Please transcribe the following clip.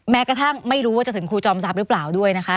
แม้กระทั่งไม่รู้ว่าจะถึงครูจอมทรัพย์หรือเปล่าด้วยนะคะ